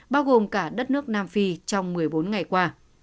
bao gồm cả đất nước nam phi trong một mươi bốn ngày qua